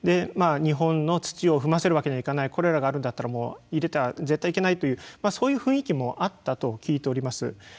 日本の土を踏ませるわけにはいかないコレラがあるんだったら入れては絶対にいけないそういう雰囲気もあったと聞いております。